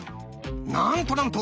なんとなんと！